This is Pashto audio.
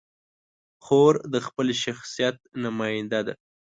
خور د خپل شخصیت نماینده ده.